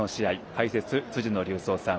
解説は辻野隆三さん